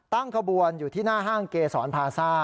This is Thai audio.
ตั้งขบวนอยู่ที่หน้าห้างเกษรพาซ่า